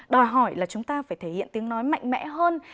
đòi hỏi là chúng ta phải thể hiện tiếng nói mạnh mẽ hơn